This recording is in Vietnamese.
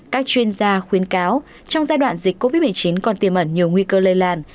các chuyên gia khuyến cáo trong giai đoạn dịch covid một mươi chín còn tiềm ẩn nhiều nguy cơ lây lan